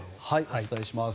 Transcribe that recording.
お伝えします。